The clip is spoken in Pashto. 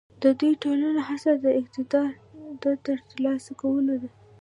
د دوی ټوله هڅه د اقتدار د تر لاسه کولو ده.